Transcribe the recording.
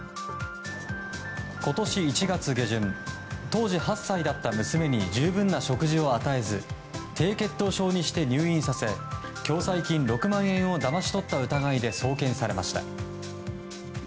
今年１月下旬当時８歳だった娘に十分な食事を与えず低血糖症にして入院させ共済金６万円をだまし取った疑いで送検されました。